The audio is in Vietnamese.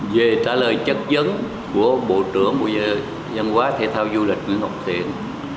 về trả lời chất dấn của bộ trưởng bộ dân quá thế thao du lịch nguyễn ngọc thiện